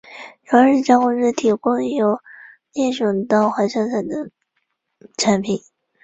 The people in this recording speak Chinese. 有二十家公司提供由猎熊到滑翔伞的产品。